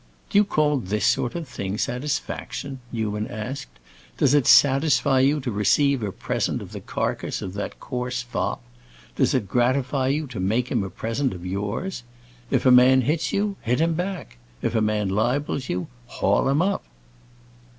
"Do you call this sort of thing satisfaction?" Newman asked. "Does it satisfy you to receive a present of the carcass of that coarse fop? does it gratify you to make him a present of yours? If a man hits you, hit him back; if a man libels you, haul him up."